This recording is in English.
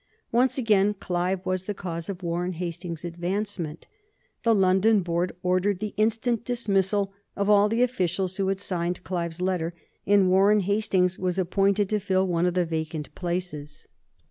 Once again Clive was the cause of Warren Hastings's advancement. The London Board ordered the instant dismissal of all the officials who had signed Clive's letter and Warren Hastings was appointed to fill one of the vacant places.